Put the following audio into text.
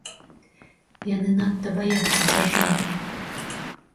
Яны надта баяцца дзяржавы.